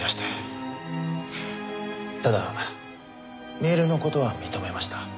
ただメールの事は認めました。